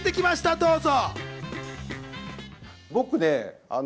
どうぞ。